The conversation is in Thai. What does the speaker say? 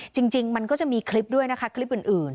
จริงมันก็จะมีคลิปด้วยนะคะคลิปอื่น